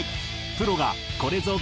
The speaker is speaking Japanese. プロがこれぞＢ